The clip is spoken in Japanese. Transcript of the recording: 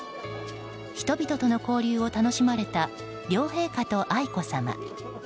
人々との交流を楽しまれた両陛下と愛子さま。